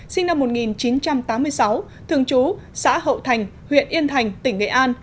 sinh năm một nghìn chín trăm tám mươi sáu thường trú xã hậu thành huyện yên thành tỉnh nghệ an